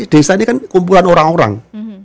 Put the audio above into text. desa ini kan kumpulan orang orang